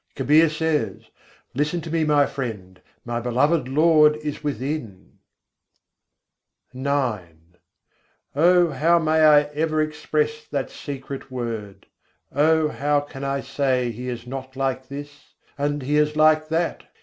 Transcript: Kabîr says: "Listen to me, my Friend! My beloved Lord is within." IX I. 104. aisâ lo nahîn taisâ lo O How may I ever express that secret word? O how can I say He is not like this, and He is like that?